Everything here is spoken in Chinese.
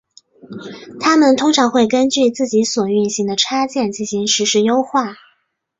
它们通常会根据自己所运行的插件进行实时优化。